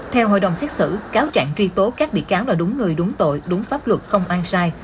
theo hội đồng xét xử cáo trạng truy tố các bị cáo là đúng người đúng tội đúng pháp luật không an sai